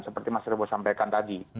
seperti mas revo sampaikan tadi